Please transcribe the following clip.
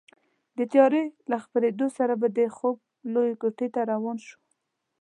د تیارې له خپرېدو سره به د خوب لویې کوټې ته روان شوو.